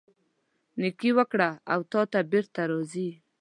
نیکۍ وکړه، له تا ته بیرته راځي.